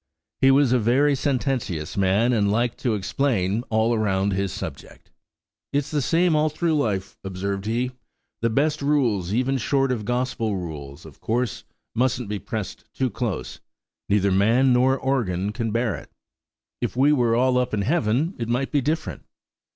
He was a very sententious man and liked to explain all round his subject. "It's the same all through life," observed he; "the best rules, even, short of Gospel rules, of course, mustn't be pressed too close; neither man nor organ can bear it. If we were all up in heaven it might be different."